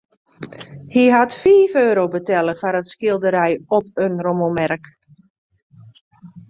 Hy hat fiif euro betelle foar it skilderij op in rommelmerk.